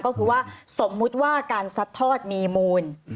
ก็คือว่าสมมุติว่าการซัดทอดมีมูล